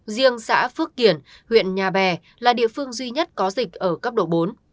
riêng xã phước kiển huyện nhà bè là địa phương duy nhất có dịch ở cấp độ bốn